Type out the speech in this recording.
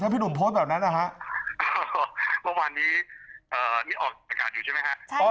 พี่หนุ่มโพสแบบนั้นนะคะอ่าอ่าอ่าอ่าอ่าอ่าอ่าอ่าอ่าอ่า